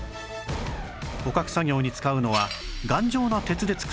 捕獲作業に使うのは頑丈な鉄で作った箱罠